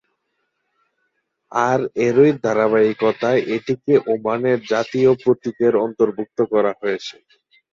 আর এরই ধারাবাহিকতায় এটিকে ওমানের জাতীয় প্রতীকের অন্তর্ভুক্ত করা হয়েছে।